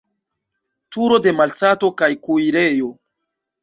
Turo de malsato kaj kuirejo.